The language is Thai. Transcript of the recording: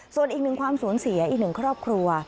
ส่วนอีกหนึ่งความสูญเสียอีกหนึ่งครอบครัว